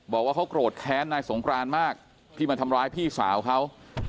บอกว่าเขาโกรธแค้นนายสงกรานมากที่มาทำร้ายพี่สาวเขา